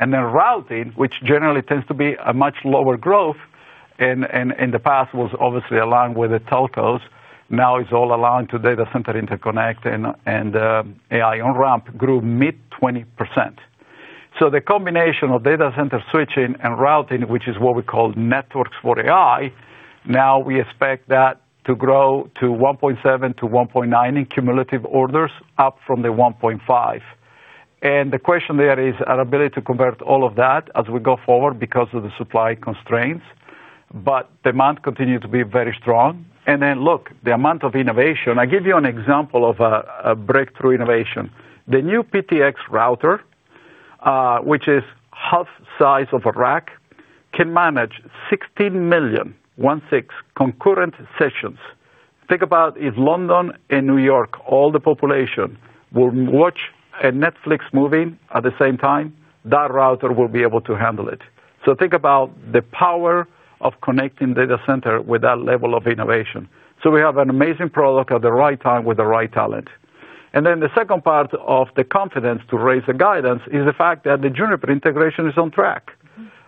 Routing, which generally tends to be a much lower growth in the past was obviously aligned with the telcos. It's all aligned to data center interconnect and AI on-ramp grew mid 20%. The combination of data center switching and routing, which is what we call networks for AI, we expect that to grow to $1.7 billion to $1.9 billion in cumulative orders, up from the $1.5 billion. The question there is our ability to convert all of that as we go forward because of the supply constraints, but demand continued to be very strong. Look, the amount of innovation. I give you an example of a breakthrough innovation. The new PTX router, which is half size of a rack, can manage 16 million, 1 6, concurrent sessions. Think about if London and New York, all the population will watch a Netflix movie at the same time, that router will be able to handle it. Think about the power of connecting data center with that level of innovation. We have an amazing product at the right time with the right talent. The second part of the confidence to raise the guidance is the fact that the Juniper integration is on track.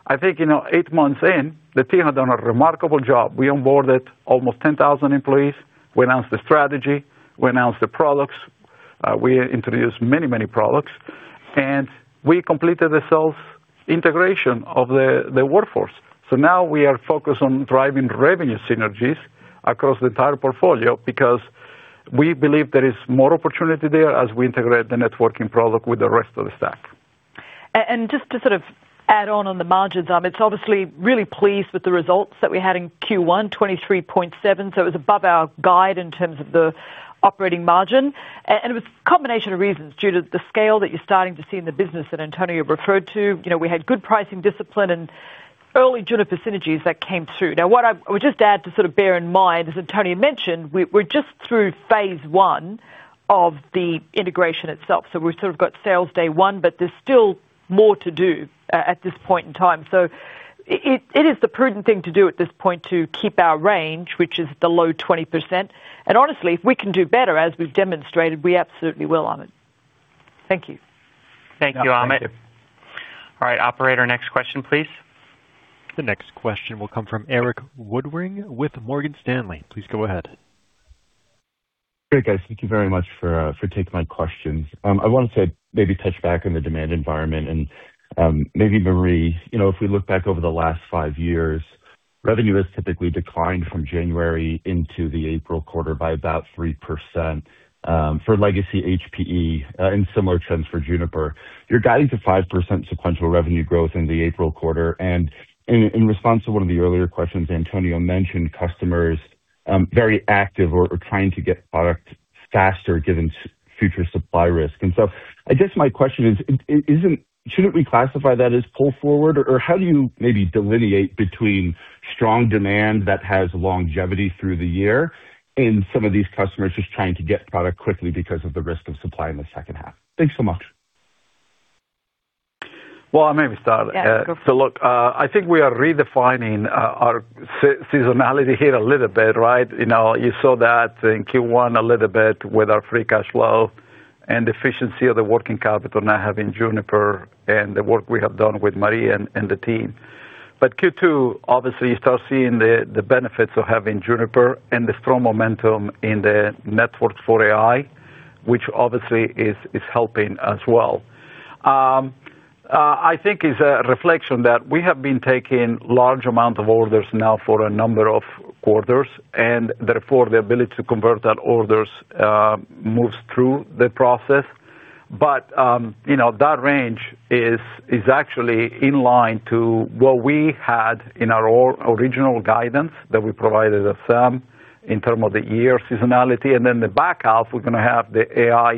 I think, you know, eight months in, the team have done a remarkable job. We onboarded almost 10,000 employees. We announced the strategy. We announced the products. We introduced many, many products, and we completed the sales integration of the workforce. Now we are focused on driving revenue synergies across the entire portfolio because we believe there is more opportunity there as we integrate the networking product with the rest of the stack. Just to sort of add on on the margins, Amit, obviously really pleased with the results that we had in Q1, 23.7%. It was above our guide in terms of the operating margin. It was a combination of reasons due to the scale that you're starting to see in the business that Antonio referred to. You know, we had good pricing discipline and early Juniper synergies that came through. What I would just add to sort of bear in mind, as Antonio mentioned, we're just through phase one of the integration itself. We've sort of got sales day one, but there's still more to do at this point in time. It is the prudent thing to do at this point to keep our range, which is the low 20%. Honestly, if we can do better, as we've demonstrated, we absolutely will, Amit. Thank you. Thank you, Amit. All right, operator, next question, please. The next question will come from Erik Woodring with Morgan Stanley. Please go ahead. Great, guys. Thank you very much for taking my questions. I want to maybe touch back on the demand environment and, Marie. You know, if we look back over the last five years, revenue has typically declined from January into the April quarter by about 3%, for legacy HPE, and similar trends for Juniper. You're guiding to 5% sequential revenue growth in the April quarter. In, in response to one of the earlier questions, Antonio mentioned customers, very active or trying to get product faster given future supply risk. I guess my question is it... Shouldn't we classify that as pull forward? How do you maybe delineate between strong demand that has longevity through the year and some of these customers just trying to get product quickly because of the risk of supply in the second half? Thanks so much. Well, I may start. Yeah. Go for it. I think we are redefining our seasonality here a little bit, right? You know, you saw that in Q1 a little bit with our free cash flow and efficiency of the working capital now having Juniper and the work we have done with Marie and the team. Q2, obviously you start seeing the benefits of having Juniper and the strong momentum in the networks for AI, which obviously is helping as well. I think it's a reflection that we have been taking large amount of orders now for a number of quarters, and therefore the ability to convert that orders moves through the process. You know, that range is actually in line to what we had in our original guidance that we provided at some in term of the year seasonality. Then the back half, we're gonna have the AI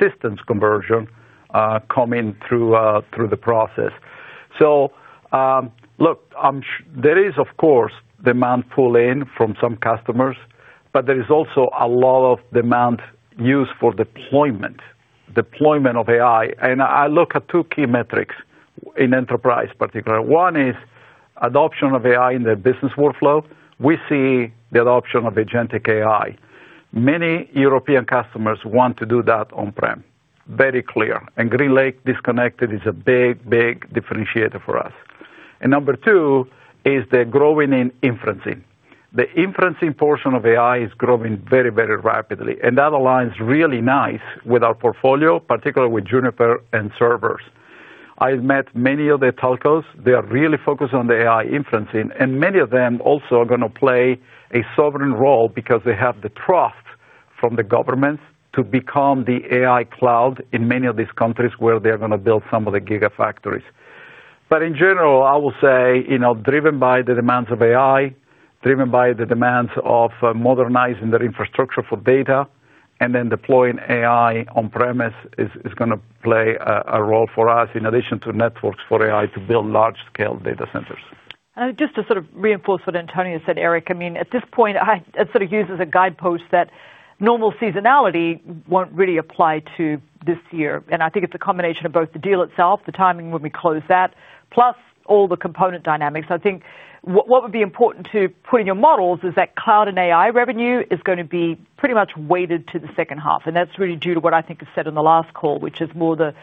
systems conversion, coming through through the process. Look, there is of course, demand pull in from some customers, but there is also a lot of demand used for deployment of AI. I look at two key metrics in enterprise particular. One is adoption of AI in the business workflow. We see the adoption of agentic AI. Many European customers want to do that on-prem. Very clear. GreenLake disconnected is a big, big differentiator for us. Number two is the growing in inferencing. The inferencing portion of AI is growing very, very rapidly, and that aligns really nice with our portfolio, particularly with Juniper and servers. I met many of the telcos. They are really focused on the AI inferencing. Many of them also are going to play a sovereign role because they have the trust from the government to become the AI cloud in many of these countries where they're going to build some of the gigafactories. In general, I will say, you know, driven by the demands of AI, driven by the demands of modernizing their infrastructure for data, and then deploying AI on premise is going to play a role for us in addition to networks for AI to build large scale data centers. Just to sort of reinforce what Antonio said, Erik, I mean, at this point I sort of use as a guidepost that normal seasonality won't really apply to this year. I think it's a combination of both the deal itself, the timing when we close that, plus all the component dynamics. I think what would be important to put in your models is that cloud and AI revenue is going to be pretty much weighted to the second half, and that's really due to what I think is said in the last call, which is more the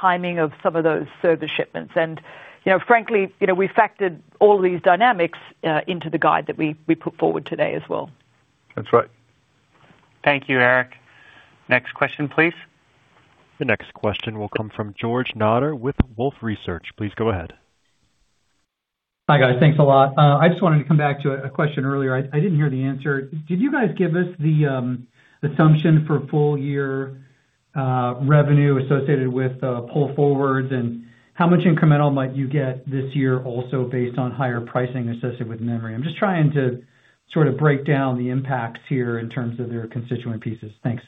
timing of some of those server shipments. You know, frankly, you know, we factored all these dynamics into the guide that we put forward today as well. That's right. Thank you, Erik. Next question, please. The next question will come from Jad Nader with Wolfe Research. Please go ahead. Hi, guys. Thanks a lot. I just wanted to come back to a question earlier. I didn't hear the answer. Did you guys give us the assumption for full year revenue associated with pull forwards, and how much incremental might you get this year also based on higher pricing associated with memory? I'm just trying to sort of break down the impacts here in terms of their constituent pieces. Thanks.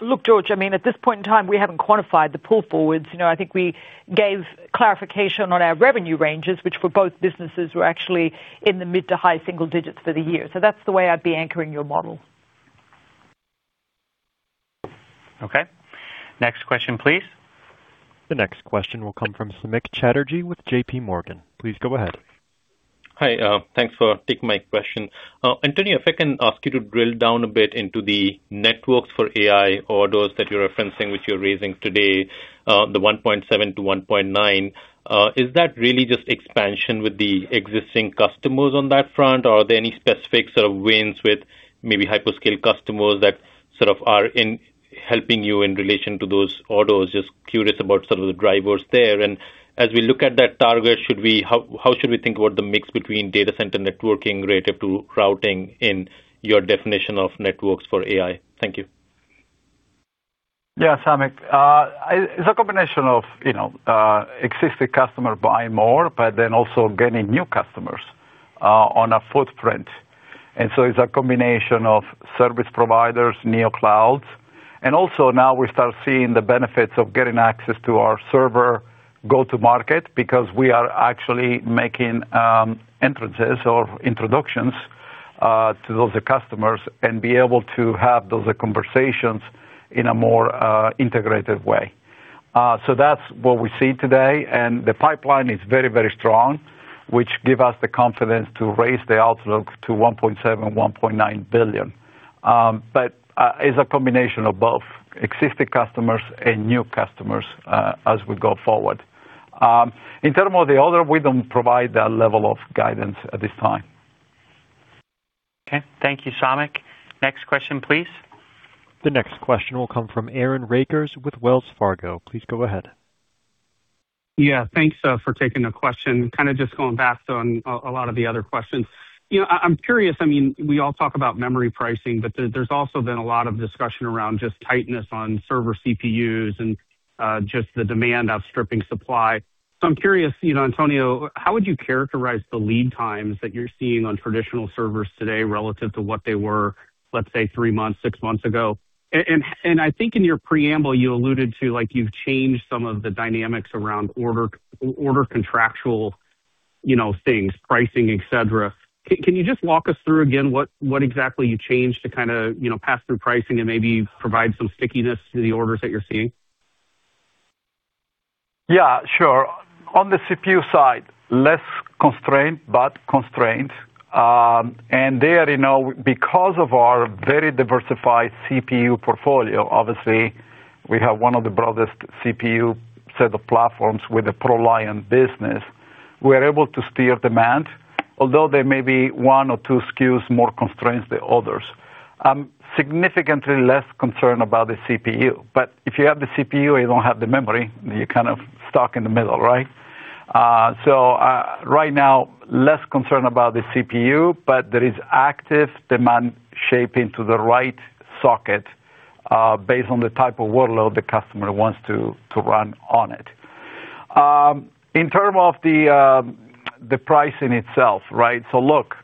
Look, Jad, I mean, at this point in time, we haven't quantified the pull forwards. You know, I think we gave clarification on our revenue ranges, which for both businesses were actually in the mid to high single digits for the year. That's the way I'd be anchoring your model. Okay. Next question, please. The next question will come from Samik Chatterjee with JPMorgan. Please go ahead. Hi. Thanks for taking my question. Antonio, if I can ask you to drill down a bit into the networks for AI orders that you're referencing, which you're raising today, the 1.7 to 1.9, is that really just expansion with the existing customers on that front, or are there any specific sort of wins with maybe hyperscale customers that sort of are in helping you in relation to those orders? Just curious about some of the drivers there. As we look at that target, how should we think about the mix between data center networking relative to routing in your definition of networks for AI? Thank you. Samik, it's a combination of, you know, existing customer buying more, also gaining new customers on a footprint. It's a combination of service providers, neo clouds, and also now we start seeing the benefits of getting access to our server go to market because we are actually making entrances or introductions to those customers and be able to have those conversations in a more integrated way. So that's what we see today. The pipeline is very, very strong, which give us the confidence to raise the outlook to $1.7 billion-$1.9 billion. It's a combination of both existing customers and new customers as we go forward. In terms of the other, we don't provide that level of guidance at this time. Okay. Thank you, Samik. Next question, please. The next question will come from Aaron Rakers with Wells Fargo. Please go ahead. Thanks for taking the question. Kind of just going back on a lot of the other questions. You know, I mean, we all talk about memory pricing, but there's also been a lot of discussion around just tightness on server CPUs and just the demand outstripping supply. I'm curious, you know, Antonio, how would you characterize the lead times that you're seeing on traditional servers today relative to what they were, let's say, three months, six months ago? I think in your preamble you alluded to, like, you've changed some of the dynamics around order contractual, you know, things, pricing, et cetera. Can you just walk us through again what exactly you changed to kind of, you know, pass through pricing and maybe provide some stickiness to the orders that you're seeing? Yeah, sure. On the CPU side, less constrained, but constrained. There, you know, because of our very diversified CPU portfolio, obviously we have one of the broadest CPU set of platforms with the ProLiant business, we're able to steer demand. Although there may be one or two SKUs more constrained than others. I'm significantly less concerned about the CPU, but if you have the CPU and you don't have the memory, you're kind of stuck in the middle, right? Right now, less concerned about the CPU, but there is active demand shaping to the right socket, based on the type of workload the customer wants to run on it. In term of the pricing itself, right? Look,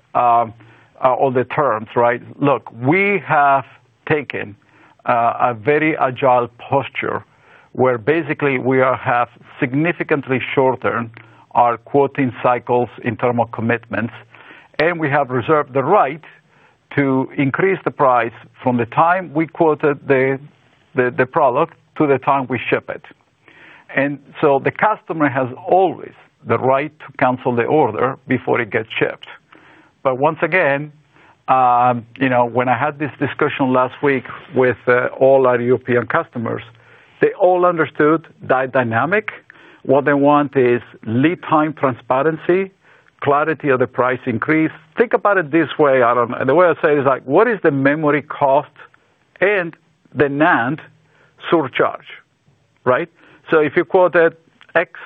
all the terms, right? Look, we have taken a very agile posture where basically we have significantly shortened our quoting cycles in term of commitments, and we have reserved the right to increase the price from the time we quoted the product to the time we ship it. The customer has always the right to cancel the order before it gets shipped. Once again, you know, when I had this discussion last week with all our European customers, they all understood that dynamic. What they want is lead time transparency, clarity of the price increase. Think about it this way, Aaron, and the way I say it is like, what is the memory cost and the NAND surcharge, right? If you quoted X,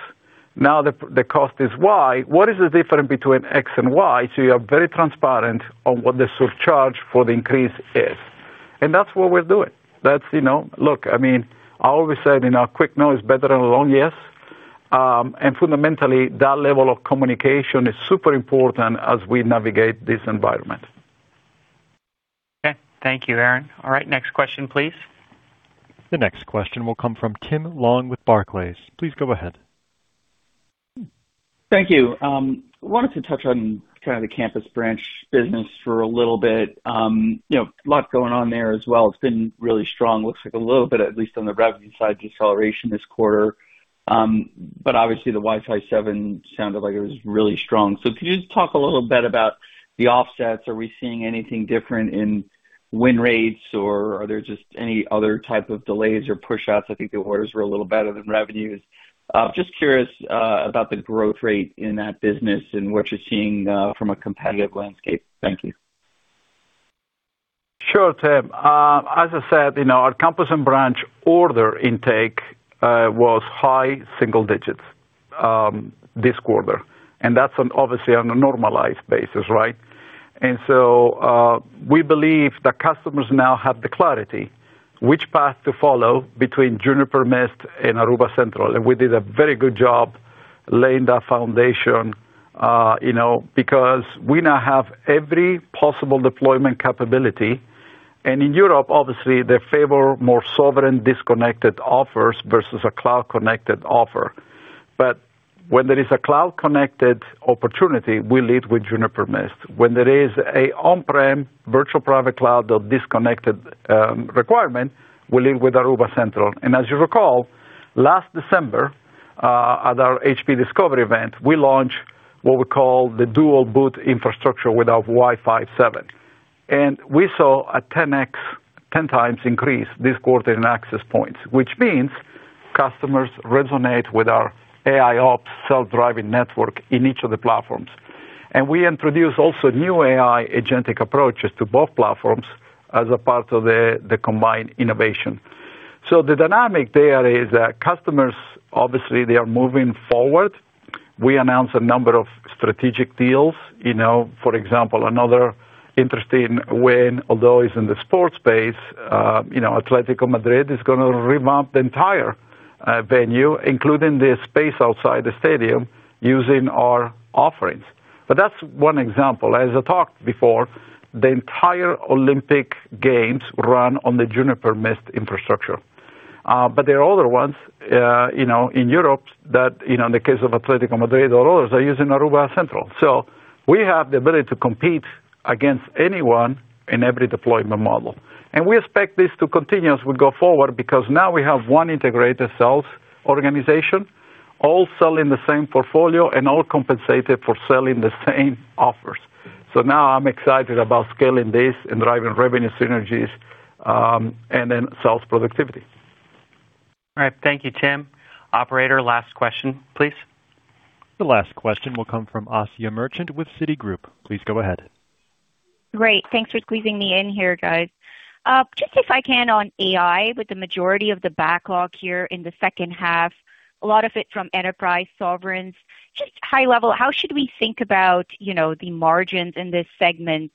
now the cost is Y. What is the difference between X and Y? You are very transparent on what the surcharge for the increase is. That's what we're doing. That's, you know. Look, I mean, I always said, you know, a quick no is better than a long yes. Fundamentally, that level of communication is super important as we navigate this environment. Okay. Thank you, Aaron. All right, next question, please. The next question will come from Tim Long with Barclays. Please go ahead. Thank you. Wanted to touch on kind of the campus branch business for a little bit. You know, a lot going on there as well. It's been really strong. Looks like a little bit, at least on the revenue side, deceleration this quarter. Obviously the Wi-Fi 7 sounded like it was really strong. Could you just talk a little bit about the offsets? Are we seeing anything different in win rates, or are there just any other type of delays or push outs? I think the orders were a little better than revenues. Just curious about the growth rate in that business and what you're seeing from a competitive landscape. Thank you. Sure, Tim. As I said, you know, our campus and branch order intake was high single digits this quarter, that's on, obviously, on a normalized basis, right? We believe the customers now have the clarity which path to follow between Juniper, Mist and Aruba Central. We did a very good job laying that foundation, you know, because we now have every possible deployment capability. In Europe, obviously, they favor more sovereign disconnected offers versus a cloud connected offer. When there is a cloud connected opportunity, we lead with Juniper Mist. When there is a on-prem virtual private cloud or disconnected requirement, we lead with Aruba Central. As you recall, last December, at our HPE Discover event, we launched what we call the dual boot infrastructure with our Wi-Fi 7. We saw a 10 times increase this quarter in access points, which means customers resonate with our AIOps self-driving network in each of the platforms. We introduced also new AI agentic approaches to both platforms as a part of the combined innovation. The dynamic there is that customers, obviously, they are moving forward. We announced a number of strategic deals. You know, for example, another interesting win, although it's in the sports space, you know, Atlético Madrid is gonna revamp the entire venue, including the space outside the stadium, using our offerings. That's one example. As I talked before, the entire Olympic Games run on the Juniper Mist infrastructure. But there are other ones, you know, in Europe that, you know, in the case of Atlético Madrid or others, are using Aruba Central. We have the ability to compete against anyone in every deployment model. We expect this to continue as we go forward, because now we have one integrated sales organization, all selling the same portfolio and all compensated for selling the same offers. Now I'm excited about scaling this and driving revenue synergies, and then sales productivity. All right. Thank you, Tim. Operator, last question, please. The last question will come from Asiya Merchant with Citigroup. Please go ahead. Great. Thanks for squeezing me in here, guys. Just if I can on AI, with the majority of the backlog here in the second half, a lot of it from enterprise sovereigns, just high level, how should we think about, you know, the margins in this segment,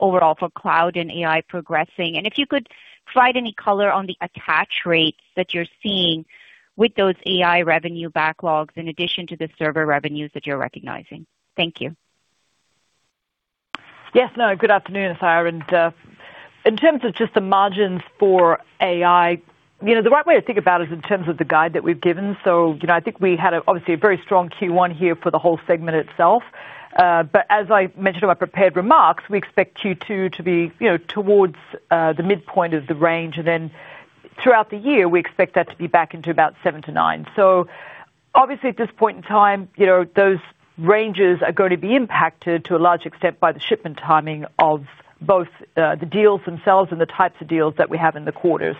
overall for cloud and AI progressing? If you could provide any color on the attach rates that you're seeing with those AI revenue backlogs in addition to the server revenues that you're recognizing. Thank you. Yes. No, good afternoon, Asiya. In terms of just the margins for AI, you know, the right way to think about is in terms of the guide that we've given. I think we had, obviously, a very strong Q1 here for the whole segment itself. As I mentioned in my prepared remarks, we expect Q2 to be, you know, towards the midpoint of the range. Throughout the year, we expect that to be back into about 7%-9%. Obviously, at this point in time, you know, those ranges are going to be impacted to a large extent by the shipment timing of both the deals themselves and the types of deals that we have in the quarter.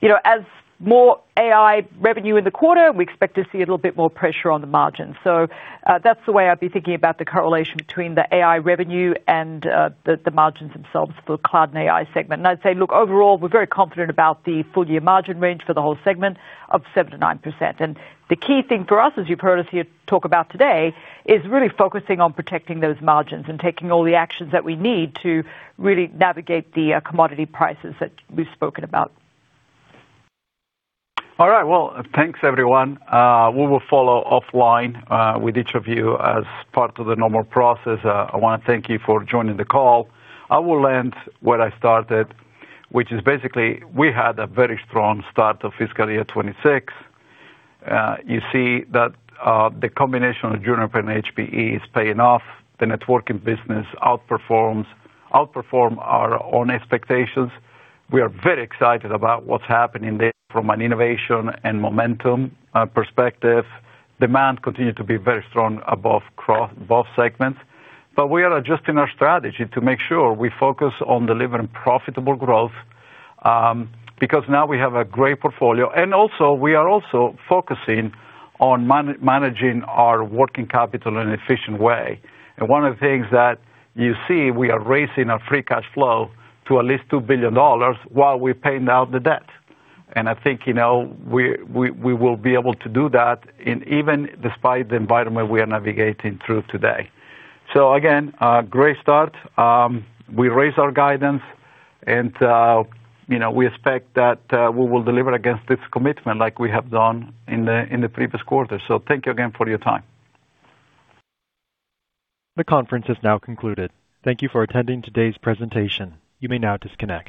You know, as more AI revenue in the quarter, we expect to see a little bit more pressure on the margins. That's the way I'd be thinking about the correlation between the AI revenue and the margins themselves for cloud and AI segment. I'd say, look, overall, we're very confident about the full year margin range for the whole segment of 7%-9%. The key thing for us, as you've heard us here talk about today, is really focusing on protecting those margins and taking all the actions that we need to really navigate the commodity prices that we've spoken about. All right. Well, thanks, everyone. We will follow offline with each of you as part of the normal process. I wanna thank you for joining the call. I will end where I started, which is basically we had a very strong start of fiscal year 2026. You see that the combination of Juniper and HPE is paying off. The networking business outperform our own expectations. We are very excited about what's happening there from an innovation and momentum perspective. Demand continued to be very strong above both segments. We are adjusting our strategy to make sure we focus on delivering profitable growth because now we have a great portfolio. We are also focusing on managing our working capital in an efficient way. One of the things that you see, we are raising our free cash flow to at least $2 billion while we're paying down the debt. I think, you know, we will be able to do that in even despite the environment we are navigating through today. Again, a great start. We raised our guidance and, you know, we expect that we will deliver against this commitment like we have done in the previous quarter. Thank you again for your time. The conference is now concluded. Thank you for attending today's presentation. You may now disconnect.